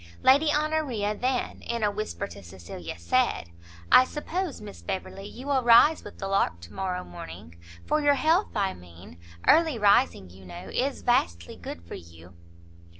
Lady Honoria then, in a whisper to Cecilia, said, "I suppose, Miss Beverley, you will rise with the lark to morrow morning? for your health, I mean. Early rising, you know, is vastly good for you."